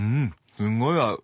すごい合う！